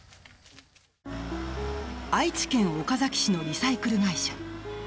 愛知県岡崎市のリサイクル会社。